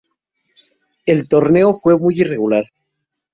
El torneo fue muy irregular.